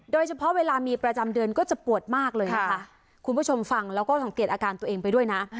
เวลามีประจำเดือนก็จะปวดมากเลยนะคะคุณผู้ชมฟังแล้วก็สังเกตอาการตัวเองไปด้วยนะ